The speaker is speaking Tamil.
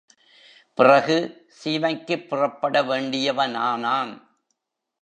பிறகு, சீமைக்குப் புறப்பட வேண்டியவனானான்.